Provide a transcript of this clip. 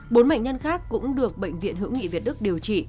bốn bệnh nhân khác cũng được bệnh viện hữu nghị việt đức điều trị